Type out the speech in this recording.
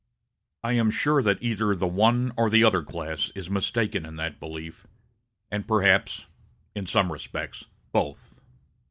I am sure that either the one or the other class is mistaken in that belief, and perhaps, in some respects, both.